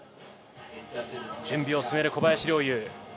準備を進める小林陵侑。